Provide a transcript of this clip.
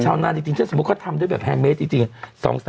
นานจริงถ้าสมมุติเขาทำด้วยแบบแฮนเมสจริง